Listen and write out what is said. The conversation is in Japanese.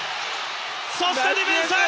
そして、ディフェンス！